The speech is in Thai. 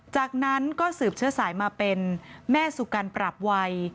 จากนั้นก็สืบเชื้อสายมาเป็นแม่สุกันปรับวัย